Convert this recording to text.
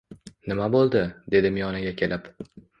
“Nima boʻldi?” – dedim yoniga kelib.